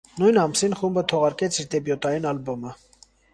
Նույն ամսին խումբը թողարկեց իր դեբյուտային ալբոմը։